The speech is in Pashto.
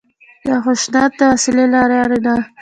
د خشونت د وسلې له لارې نه.